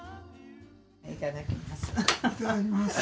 いただきます。